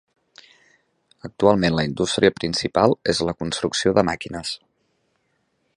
Actualment la indústria principal és la construcció de màquines.